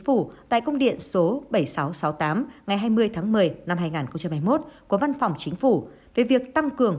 phủ tại công điện số bảy nghìn sáu trăm sáu mươi tám ngày hai mươi tháng một mươi năm hai nghìn hai mươi một của văn phòng chính phủ về việc tăng cường